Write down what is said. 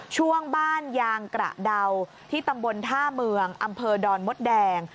ช่วงบ้านยางกระเดาที่ตำบลท่าเมืองอำเภอดอนมดแดง